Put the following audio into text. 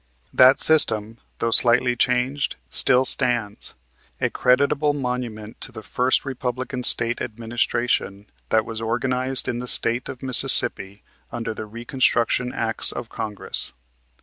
That system, though slightly changed, still stands, a creditable monument to the first Republican State administration that was organized in the State of Mississippi under the Reconstruction Acts of Congress.